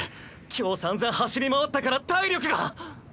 今日さんざん走り回ったから体力が。